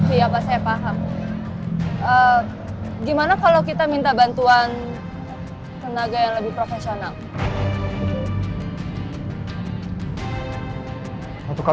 iya pak saya paham gimana kalau kita minta bantuan tenaga yang lebih profesional